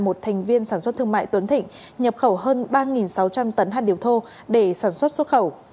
một thành viên sản xuất thương mại tuấn thịnh nhập khẩu hơn ba sáu trăm linh tấn hạt điều thô để sản xuất xuất khẩu